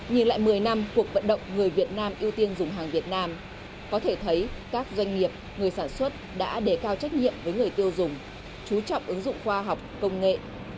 nhìn lại một mươi năm cuộc vận động người việt nam ưu tiên dùng hàng việt nam có thể thấy các doanh nghiệp người sản xuất đã đề cao trách nhiệm với người tiêu dùng chú trọng ứng dụng khoa học công nghệ